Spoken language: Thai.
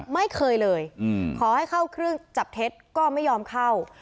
ไม่เคยเลยขอให้เข้าเครื่องจับเท็จก็ไม่ยอมเข้า